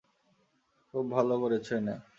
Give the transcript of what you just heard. খুব ভালো করেছ এনে, সোনা।